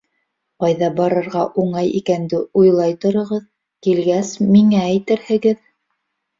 Ҡайҙа барырға уңай икәнде уйлай тороғоҙ, килгәс, миңә әйтерһегеҙ.